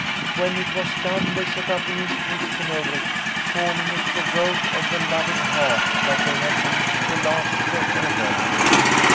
When it was done, they set up an inscrip tion over it, calling it the Road of the Loving Heart that they had built to last for ever."